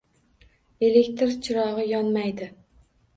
Elektr chirog'i yonmaydi.